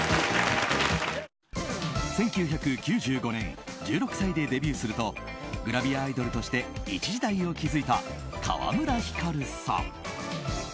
１９９５年１６歳でデビューするとグラビアアイドルとして一時代を築いた川村ひかるさん。